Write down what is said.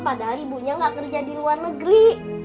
padahal ibunya nggak kerja di luar negeri